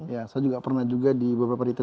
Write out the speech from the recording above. saya juga pernah di beberapa retail